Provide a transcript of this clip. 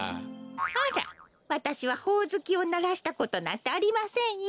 あらわたしはほおずきをならしたことなんてありませんよ。